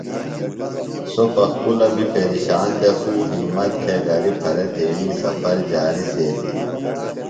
سوۡ پخپُلہ بیۡ پیرشان دےۡ خوۡ ہمت تھےۡ غری پھرےۡ تیݨی سفر جاری سیتِلیۡ۔